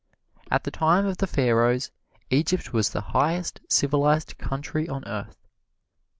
At the time of the Pharaohs, Egypt was the highest civilized country on earth.